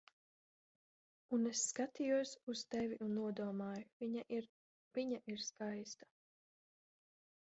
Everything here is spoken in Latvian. Un es skatījos uz tevi un nodomāju: "Viņa ir... Viņa ir skaista."